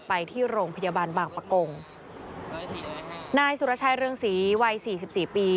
ไปที่โรงพยาบาลบางประกงนายสุรชัยเรืองศรีวัยสี่สิบสี่ปี